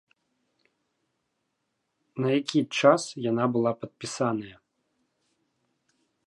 На які час яна была падпісаная?